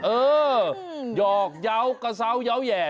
เออหยอกเยาว์กระเซาเยาว์แห่